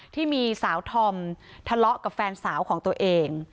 ที่มีสาวธอมทะเลาะกับแฟนสาวของตัวเอง